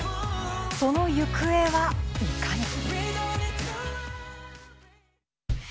その行方は、いかに。